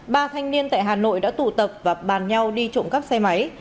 ba thanh niên tại hà nội đã tụ tập và bàn nhau đi trộm cắp xe máy